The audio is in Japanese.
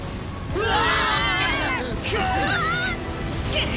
うわ！